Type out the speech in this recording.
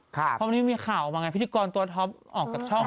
เพราะวันนี้มีข่าวออกมาไงพิธีกรตัวท็อปออกจากช่อง